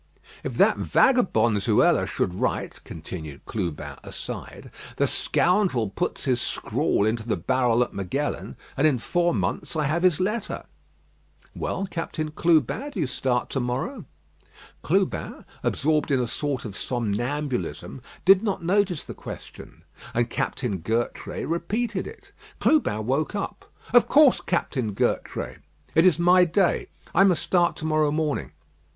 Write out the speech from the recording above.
"If that vagabond Zuela should write (continued Clubin aside), the scoundrel puts his scrawl into the barrel at Magellan, and in four months I have his letter." "Well, Captain Clubin, do you start to morrow?" Clubin, absorbed in a sort of somnambulism, did not notice the question; and Captain Gertrais repeated it. Clubin woke up. "Of course, Captain Gertrais. It is my day. I must start to morrow morning."